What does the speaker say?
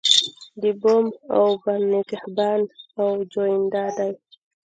د بوم او بر نگهبان او جوینده دی.